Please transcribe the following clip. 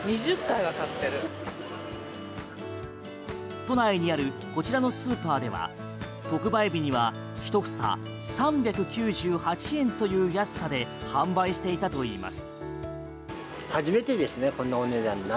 都内にあるこちらのスーパーでは特売日には１房３９８円という安さで販売していたといいます。